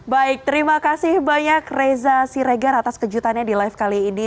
baik terima kasih banyak reza siregar atas kejutannya di live kali ini